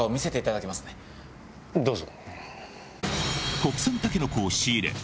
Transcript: どうぞ。